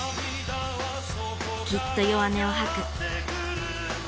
きっと弱音をはく。